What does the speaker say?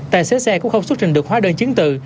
tài xế xe cũng không xuất trình được hóa đơn chiến tự